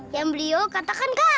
yang beliau katakan kak